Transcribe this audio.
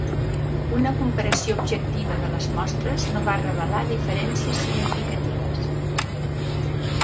Una comparació objectiva de les mostres no va revelar diferències significatives.